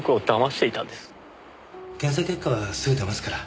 検査結果はすぐ出ますから。